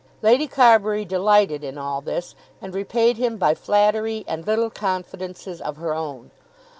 Lady Carbury delighted in all this and repaid him by flattery, and little confidences of her own.